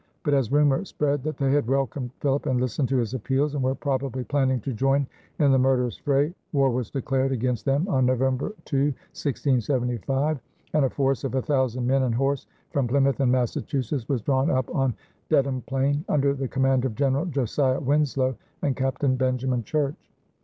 But as rumor spread that they had welcomed Philip and listened to his appeals and were probably planning to join in the murderous fray, war was declared against them on November 2, 1675, and a force of a thousand men and horse from Plymouth and Massachusetts was drawn up on Dedham plain, under the command of General Josiah Winslow and Captain Benjamin Church.